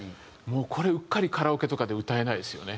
もうこれうっかりカラオケとかで歌えないですよね。